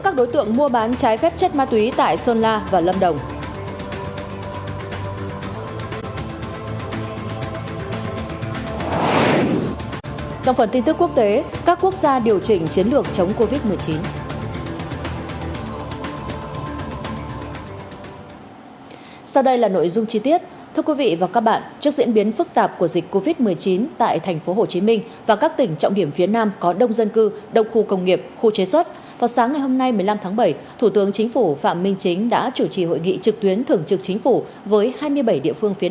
thủ tướng phạm minh chính đã chủ trì hội nghị trực tuyến thường trực chính phủ với hai mươi bảy địa phương phía nam về công tác phòng chống dịch covid một mươi chín